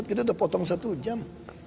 itu sudah potong satu jam